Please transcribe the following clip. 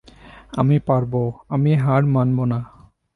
আমি পারব, আমি হার মানব না।